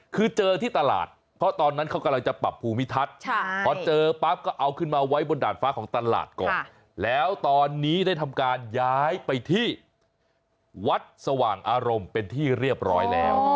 คือเจอที่ตลาดเพราะตอนนั้นเขากำลังจะปรับภูมิทัศน์พอเจอปั๊บก็เอาขึ้นมาไว้บนดาดฟ้าของตลาดก่อนแล้วตอนนี้ได้ทำการย้ายไปที่วัดสว่างอารมณ์เป็นที่เรียบร้อยแล้ว